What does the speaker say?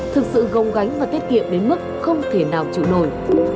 thực sự gồng gánh và tiết kiệm đến mức không thể nào chịu nổi